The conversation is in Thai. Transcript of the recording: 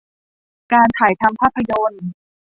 การถ่ายทำภาพยนตร์